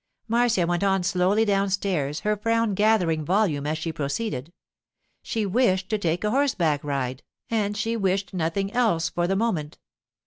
Marcia went on slowly downstairs, her frown gathering volume as she proceeded. She wished to take a horseback ride, and she wished nothing else for the moment.